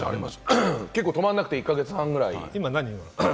結構止まらなくて、１か月半くらい。